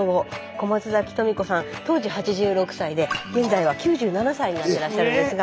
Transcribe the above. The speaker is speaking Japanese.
小松崎トミ子さん当時８６歳で現在は９７歳になってらっしゃるんですが。